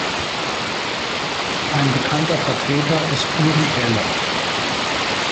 Ein bekannter Vertreter ist Uri Geller.